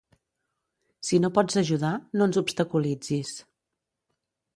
Si no pots ajudar, no ens obstaculitzis.